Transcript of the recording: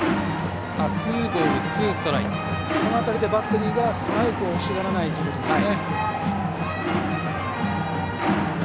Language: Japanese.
この辺りでバッテリーがストライクを欲しがらないってことですね。